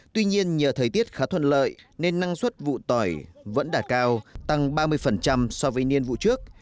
tuy nhiên nhờ thời tiết khá thuận lợi nên năng suất vụ tỏi vẫn đạt cao tăng ba mươi so với niên vụ trước